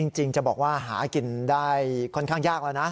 จริงจะบอกว่าหากินได้ค่อนข้างยากแล้วนะ